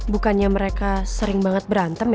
bukannya mereka sering banget berantem